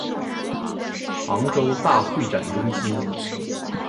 杭州大会展中心